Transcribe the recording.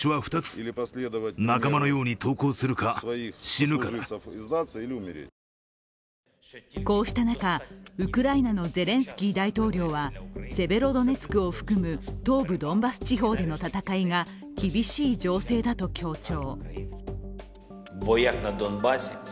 ロシア派の幹部はこうした中、ウクライナのゼレンスキー大統領はセベロドネツクを含む東部ドンバス地方での戦いが厳しい情勢だと強調。